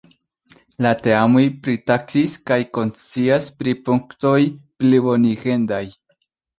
La teamoj pritaksis kaj konscias pri punktoj plibonigendaj.